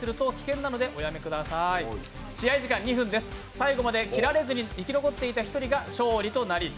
最後まで斬られずに生き残っていた方が勝利となります。